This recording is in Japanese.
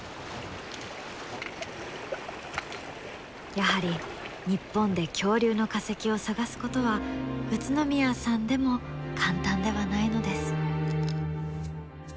やはり日本で恐竜の化石を探すことは宇都宮さんでも簡単ではないのです。